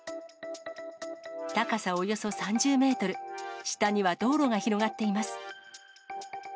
高さおよそ３０メートル、下には道路が広がっています。